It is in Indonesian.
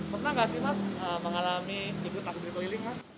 pernah nggak sih mas mengalami ikut takbir keliling mas